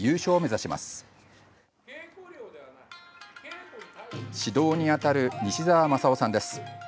指導に当たる、西澤正夫さんです。